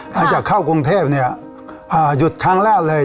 หลังจากเข้ากรุงเทพเนี่ยหยุดครั้งแรกเลย